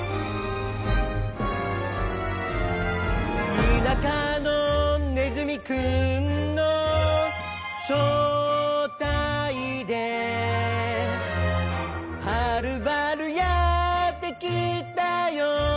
「田舎のねずみくんのしょうたいで」「はるばるやってきたよ」